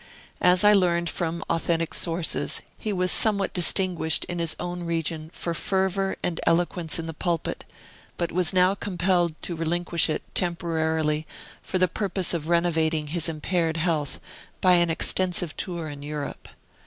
As I learned from authentic sources, he was somewhat distinguished in his own region for fervor and eloquence in the pulpit, but was now compelled to relinquish it temporarily for the purpose of renovating his impaired health by an extensive tour in Europe.